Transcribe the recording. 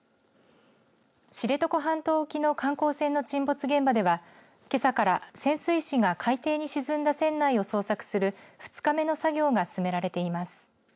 知床半島沖の観光船の沈没現場ではけさから潜水士が海底に沈んだ船内を捜索する２日目の作業が進められています。